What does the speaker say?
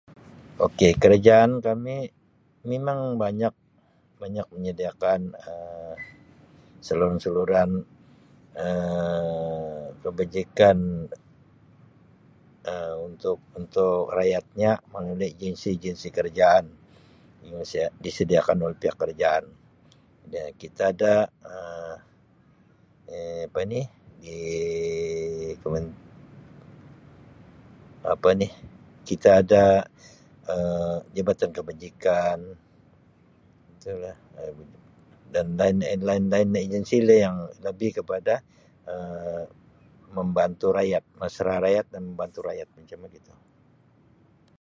Ok kerajaan kami mimang banyak banyak menyediakan Um saluran-saluran Um kebajikan Um untuk untuk rakyatnya melalui agensi-agensi kerajaan [unintelligible] disediakan oleh pihak kerajaan dia kita ada Um apa ni di kemen apa ni kita ada Um jabatan kebajikan itu lah dan lain-lain agensi lah yang lebih kepada Um membantu rakyat mesra rakyat dan membantu rakyat macam begitu.